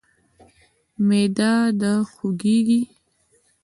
معده د خوږیږي؟